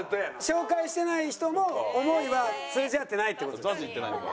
紹介してない人も思いは通じ合ってないって事ですね。